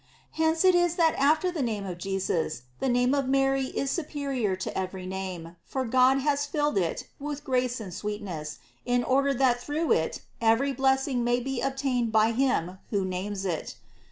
Hence it is that after the name of Jesus, the name of Mary is superior to every name, for God has filled it with grace and sweetness in order that through it every blessing may be obtained by him who names it.